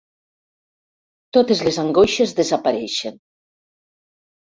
Totes les angoixes desapareixen.